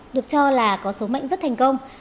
được cho là có số mệnh rất thành công